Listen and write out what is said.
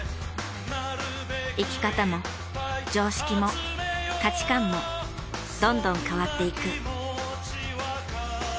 生き方も常識も価値観もどんどん変わっていく。